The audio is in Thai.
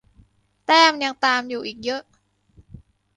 แต้มยังตามอยู่อีกเยอะ